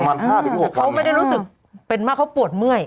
ประมาณ๕๖วันแต่เขาไม่ได้รู้สึกเป็นว่าเขาปวดเมื่อย